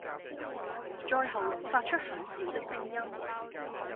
在喉嚨發出很小的聲音